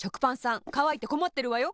かわいてこまってるわよ。